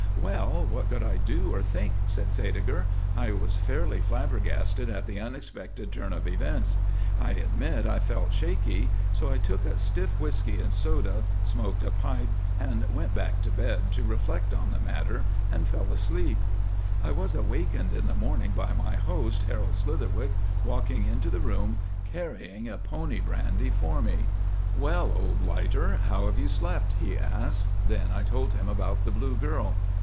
"Well! what could I do or think?" said Sædeger. "I was fairly flabbergasted at the unexpected turn of events. I admit I felt shaky, so I took a stiff whisky and soda, smoked a pipe, and went back to bed to reflect on the matter, and fell asleep. I was wakened in the morning by my host, Harold Slitherwick, walking into the room carrying a pony brandy for me." "'Well, old blighter, how have you slept?' he asked. "Then I told him about the blue girl.